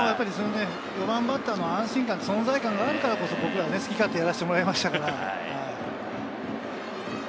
４番バッターの安心感、存在感があってこそ、僕らは好きにやらせてもらいましたから。